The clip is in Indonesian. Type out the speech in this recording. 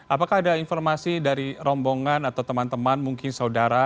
apakah ada informasi dari rombongan atau teman teman mungkin saudara